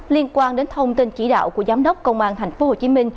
liên quan đến thông tin chỉ đạo của giám đốc công an tp hcm